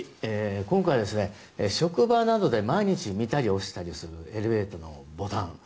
今回は職場などで毎日、見たり押したりするエレベーターのボタン。